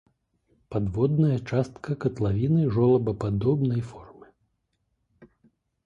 Падводная частка катлавіны жолабападобнай формы.